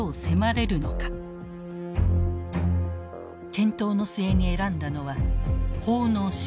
検討の末に選んだのは「法の支配」。